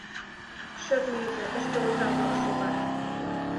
Шып лийза, тыште оза-влак шогат.